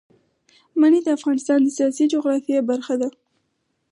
منی د افغانستان د سیاسي جغرافیه برخه ده.